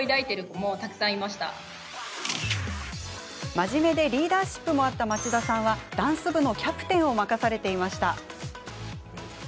真面目でリーダーシップもあった町田さんはダンス部のキャプテンを任されていました。